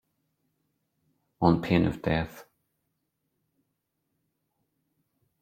On pain of death.